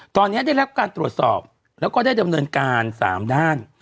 ตอนนี้ได้รับการตรวจสอบแล้วก็ได้ดำเนินการ๓ด้าน